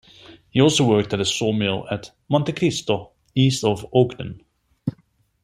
He also worked at a sawmill at Monte Cristo east of Ogden.